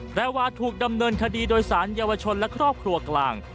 ว่าถูกดำเนินคดีโดยสารเยาวชนและครอบครัวกลาง